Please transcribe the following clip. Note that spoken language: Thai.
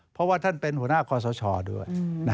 เพราะว่าท่านเป็นหัวหน้าคอสชด้วย